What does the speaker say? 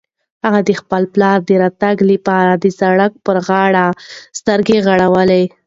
هغه د خپل پلار د راتګ لپاره د سړک په غاړه سترګې غړولې.